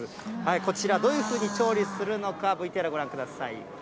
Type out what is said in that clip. こちら、どういうふうに調理するのか、ＶＴＲご覧ください。